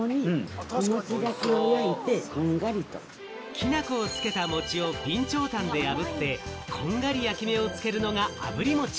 きな粉をつけた餅を備長炭であぶって、こんがり焼き目をつけるのがあぶり餅。